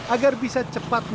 agar bisa cepat